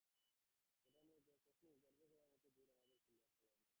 সেটা নিয়ে গর্ব করবার মতো জোর আমাদের খুলির তলায় নেই।